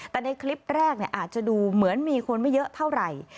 แต่ในคลิปแรกอาจจะดูเหมือนมีคนไม่เยอะเท่าไหร่